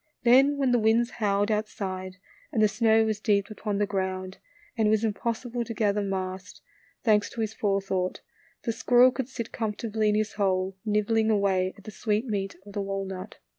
Then when the winds howled outside, and the snow was deep upon the ground, and it was impossible to gather mast, thanks to his fore thought the squirrel could sit comfortably in his hole, nibbling away at the sweet meat of the walnut.